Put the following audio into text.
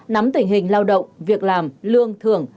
nắm tình hình lao động việc làm lương thưởng